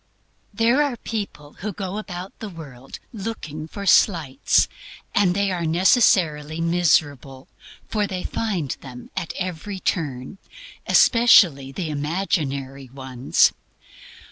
There are people who go about the world looking out for slights, and they are necessarily miserable, for they find them at every turn especially the imaginary ones.